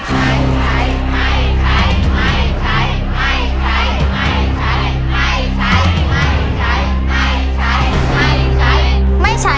ไม่ใช้ไม่ใช้ไม่ใช้ไม่ใช้ไม่ใช้ไม่ใช้